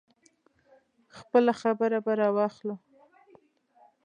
خپله خبره به راواخلو.